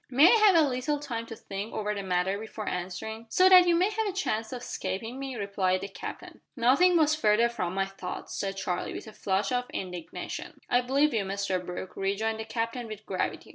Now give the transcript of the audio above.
"May I have a little time to think over the matter before answering?" "So that you may have a chance of escaping me?" replied the Captain. "Nothing was further from my thoughts," said Charlie, with a flush of indignation. "I believe you, Mr Brooke," rejoined the Captain with gravity.